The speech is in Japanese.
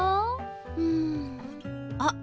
うん。あっ！